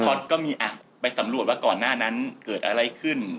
พอก็มีอ่ะไปสำรวจว่าก่อนหน้านั้นเกิดอะไรขึ้น